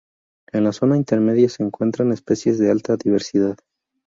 En la zona intermedia se encuentran especies de alta diversidad.